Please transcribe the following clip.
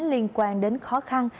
liên quan đến khó khăn